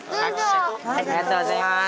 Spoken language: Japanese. ありがとうございます。